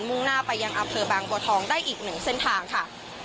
่งหน้าไปยังอำเภอบางบัวทองได้อีกหนึ่งเส้นทางค่ะ